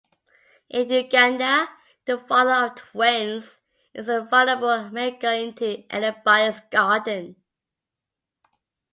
In Uganda, the father of twins is inviolable and may go into anybody's garden.